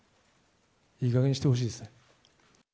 いいかげんにしてほしいですね。